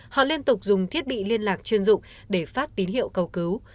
họ liên tục dùng thiết bị liên lạc chuyên dụng để phát tín hiệu cầu cứu